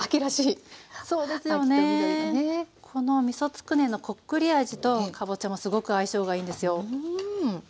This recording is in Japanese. このみそつくねのこっくり味とかぼちゃもすごく相性がいいんですよ。